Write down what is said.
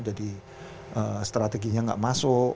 jadi strateginya gak masuk